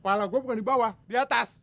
kepala gua bukan di bawah di atas